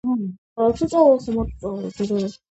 ეკავა სან-პაულუს შტატის გუბერნატორის თანამდებობა.